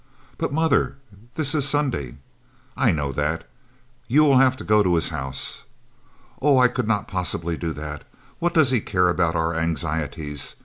"But, mother, this is Sunday!" "I know that. You will have to go to his house." "Oh, I could not possibly do that. What does he care about our anxieties?